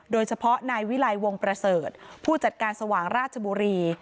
โดยเฉพาะนายวิลัยวงประเสริฐผู้จัดการสว่างราชบุรี